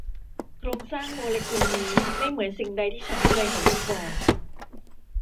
โครงสร้างโมเลกุลนี้ไม่เหมือนสิ่งใดที่ฉันเคยเห็นมาก่อน